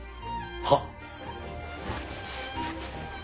はっ。